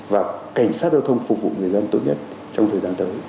và cảnh sát giao thông phục vụ người dân tốt nhất trong thời gian tới